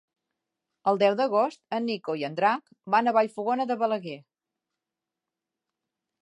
El deu d'agost en Nico i en Drac van a Vallfogona de Balaguer.